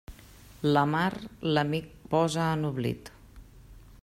La mar, l'amic posa en oblit.